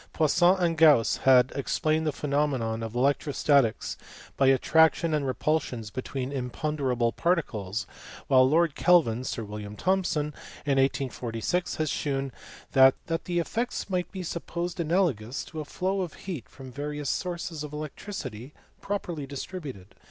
Poisson and Gauss had explained the phenomena of electrostatics by attractions and repulsions between imponderable particles; while Lord Kelvin (Sir William Thomson) in 1846 had shewn that the effects might be supposed analogous to a flow of heat from various sources of electricity properly distributed.